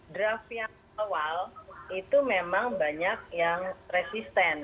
draft yang awal itu memang banyak yang resisten